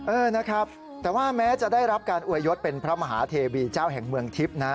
เออนะครับแต่ว่าแม้จะได้รับการอวยยศเป็นพระมหาเทวีเจ้าแห่งเมืองทิพย์นะ